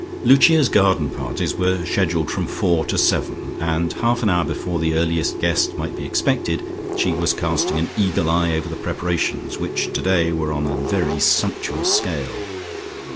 Lucia's garden parties were scheduled from four to seven and half an hour before the earliest guest might be expected, she was casting an eagle eye over the preparations which today were on a very sumptuous scale.